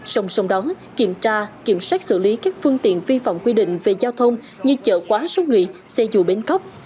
sông sông đó kiểm tra kiểm soát xử lý các phương tiện vi phạm quy định về giao thông như chợ quá số nghị xe dù bến khóc